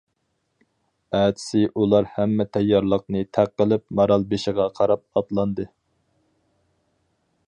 ئەتىسى ئۇلار ھەممە تەييارلىقنى تەق قىلىپ مارالبېشىغا قاراپ ئاتلاندى.